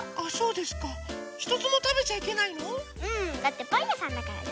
うんだってパンやさんだからね。